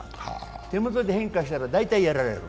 手元で変化したら大体やられる。